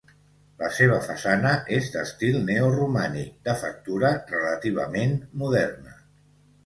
La seva façana és d'estil neoromànic de factura relativament moderna.